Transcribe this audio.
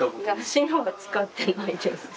白は使ってないです。